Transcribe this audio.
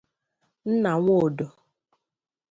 Nna Nwodo